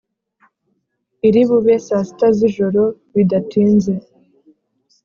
iribube saa sita zijoro bidatinze